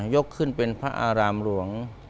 ยกขึ้นเป็นพระอารามหลวง